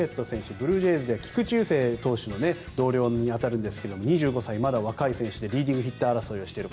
ブルージェイズで菊池雄星投手の同僚ですが２５歳、若い選手でリーディングヒッター争いをしている。